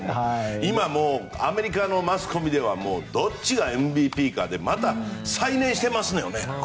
今、アメリカのマスコミではどっちがＭＶＰかでまた再燃してますよね。